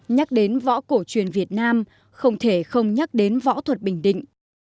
nhắc đến võ cổ truyền việt nam không thể không nhắc đến võ thuật bình định